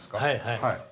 はい。